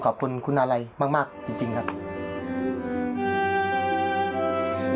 ขอบคุณคุณอาลัยมากจริงครับ